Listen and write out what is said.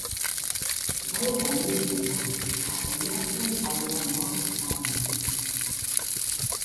Gauetan ibiltzen da eta Oiartzun aldean da ezaguna.